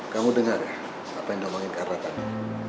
kamu dengar ya apa yang nomongin karla tadi